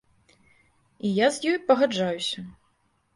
І я з ёй пагаджаюся.